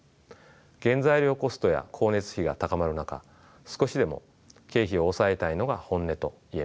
原材料コストや光熱費が高まる中少しでも経費を抑えたいのが本音といえます。